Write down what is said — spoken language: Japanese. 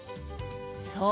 そう。